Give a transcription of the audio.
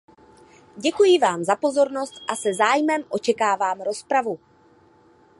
Děkuji vám za pozornost a se zájmem očekávám rozpravu.